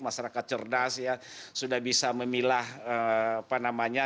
masyarakat cerdas ya sudah bisa memilah apa namanya